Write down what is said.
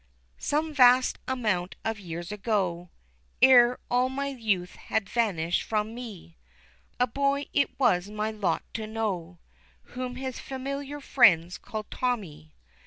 Some vast amount of years ago, Ere all my youth had vanish'd from me, A boy it was my lot to know, Whom his familiar friends called Tommy.